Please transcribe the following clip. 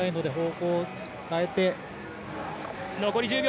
残り１０秒。